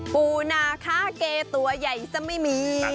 ปูนาคาเกตัวใหญ่จะไม่มี